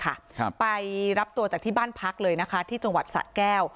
ครับไปรับตัวจากที่บ้านพักเลยนะคะที่จังหวัดสะแก้ว